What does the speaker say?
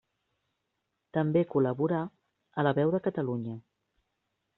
També col·laborà a la Veu de Catalunya.